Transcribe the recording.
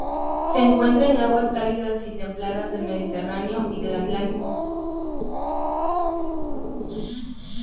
Se encuentra en aguas cálidas y templadas del Mediterráneo y del Atlántico.